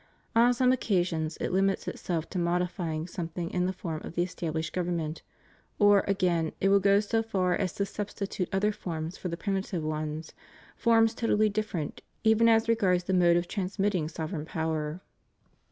On some occasions it limits itself to modifying something in the form of the established government; or, again, it will go so far as to substitute other forms for the primitive ones — forms totally different, even as regards the mode of trans mitting sovereign power.